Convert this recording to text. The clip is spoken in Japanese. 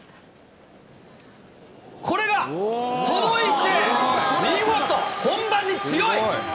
これが届いて、見事、本番に強い。